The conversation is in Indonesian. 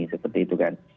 seperti itu kan